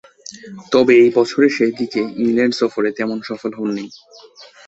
তবে, ঐ বছরের শেষদিকে ইংল্যান্ড সফরে তেমন সফল হননি।